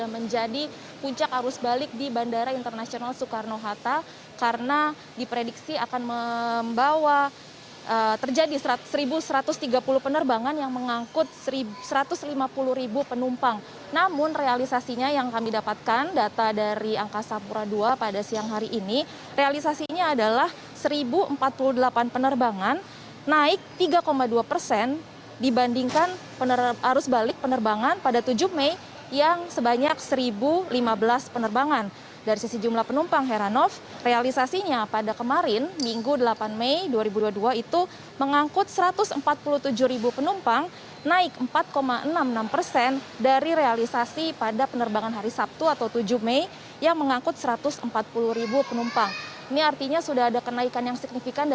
meski begitu harus balik pada senin ini jumlahnya masih meningkat signifikan